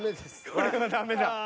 これはダメだ。